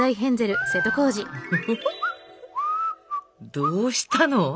どうしたの？